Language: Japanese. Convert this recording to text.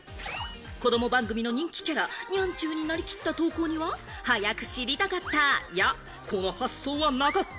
子ども番組の人気キャラ・ニャンちゅうになりきった投稿には、早く知りたかった！や、この発想はなかった！